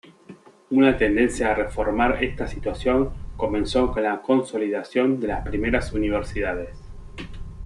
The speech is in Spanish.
Una tendencia a reformar esta situación comenzó con la consolidación de las primeras universidades.